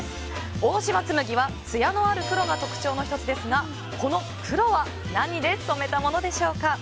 大島紬は、つやのある黒が特徴の１つですがこの黒は何で染めたものでしょうか？